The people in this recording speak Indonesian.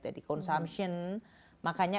dari consumption makanya